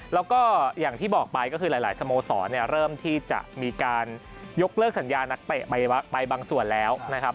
แล้วก็อย่างที่บอกไปก็คือหลายสโมสรเริ่มที่จะมีการยกเลิกสัญญานักเตะไปบางส่วนแล้วนะครับ